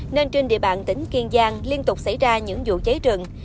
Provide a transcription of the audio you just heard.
nên trên địa bàn tỉnh kiên giang liên tục xảy ra những vụ cháy rừng